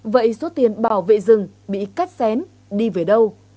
vậy số tiền bảo vệ rừng bị cắt xén đi về đâu